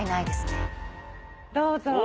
どうぞ。